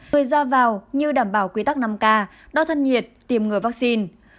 người giao vào như đảm bảo quy tắc năm k đo thân nhiệt tiêm ngừa vaccine